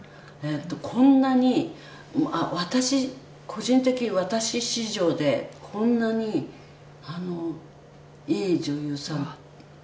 「こんなに私個人的私史上でこんなにいい女優さんは初めてで」